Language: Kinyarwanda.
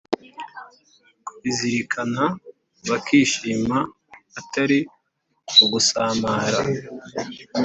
kubizirikana, bakishima atari ugusamara